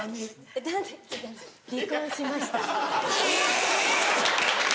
えぇ⁉離婚しました。